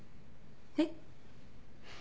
えっ？